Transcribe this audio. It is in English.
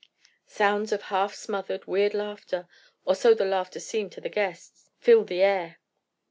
Sounds of half smothered, weird laughter—or so the laughter seemed to the guests—filled the air.